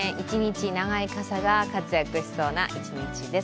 長い傘が活躍しそうな一日です。